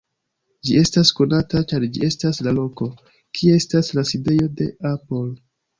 Ĝi estas konata, ĉar ĝi estas la loko, kie estas la sidejo de Apple.